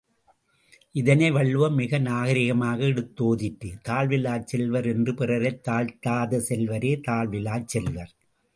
இதனை வள்ளுவம் மிக நாகரிகமாக எடுத்தோதிற்று தாழ்விலாச் செல்வர் என்று பிறரைத் தாழ்த்தாத செல்வரே தாழ்விலாச் செல்வர்.